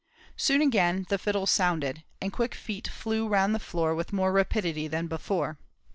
Soon again the fiddles sounded, and quick feet flew round the floor with more rapidity than before.